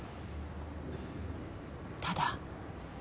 ただ。